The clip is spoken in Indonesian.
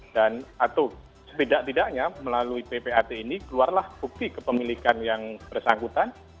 dan atau setidak tidaknya melalui ppat ini keluarlah bukti kepemilikan yang bersangkutan